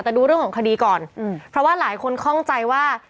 แต่ดูเรื่องของคดีก่อนอืมเพราะว่าหลายคนคล่องใจว่า